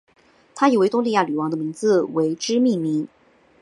他以维多利亚女王的名字为之命名。